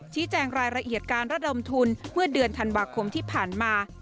แจงรายละเอียดการระดมทุนเมื่อเดือนธันวาคมที่ผ่านมา